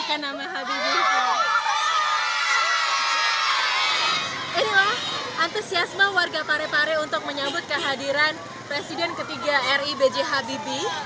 inilah antusiasme warga parepare untuk menyambut kehadiran presiden ketiga ri b j habibie